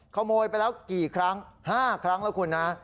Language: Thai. ขโมยไปละกี่ครั้งห้าครั้งแล้วคุณฮะ